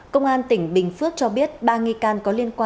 công an tỉnh bình phước cho biết ba nghi can có liên quan